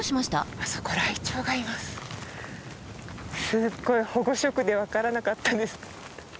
すごい保護色で分からなかったです。